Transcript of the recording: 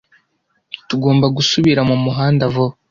Tugomba gusubira mumuhanda vuba.